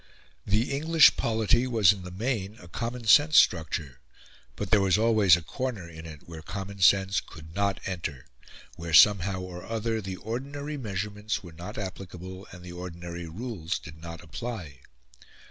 The English polity was in the main a common sense structure, but there was always a corner in it where common sense could not enter where, somehow or other, the ordinary measurements were not applicable and the ordinary rules did not apply.